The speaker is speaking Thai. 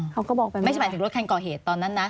ไม่ใช่หมายถึงรถคันก่อเหตุตอนนั้นนะ